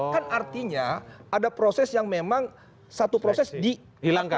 kan artinya ada proses yang memang satu proses dihilangkan